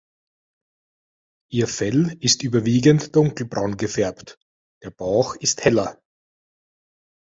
Ihr Fell ist überwiegend dunkelbraun gefärbt, der Bauch ist heller.